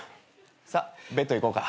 さあベッド行こうか。